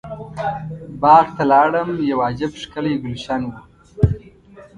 باغ ته لاړم یو عجب ښکلی ګلشن و.